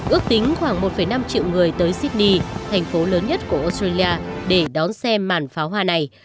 ước tính khoảng một năm triệu người tới sydney thành phố lớn nhất của australia để đón xem màn pháo hoa này